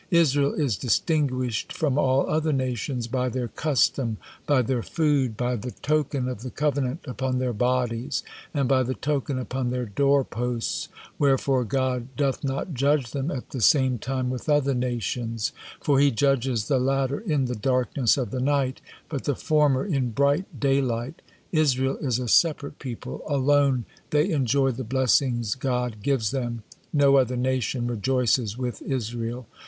Israel is distinguished from all other nations by their custom, by their food, by the token of the covenant upon their bodies, and by the token upon their doorposts, wherefore God doth not judge them at the same time with other nations, for He judges the latter in the darkness of the night, but the former in bright daylight. Israel is a separate people, alone they enjoy the blessings God gives them, no other nation rejoices with Israel.